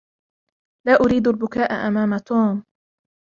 لا أريد البكاء أمام توم.